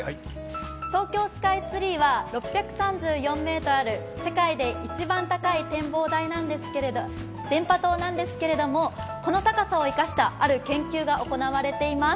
東京スカイツリーは６３４ｍある、世界で一番高い電波塔なんですけれどもこの高さを生かしたある研究が行われています。